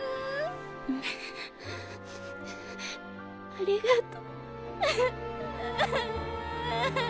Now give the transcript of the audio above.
ありがと。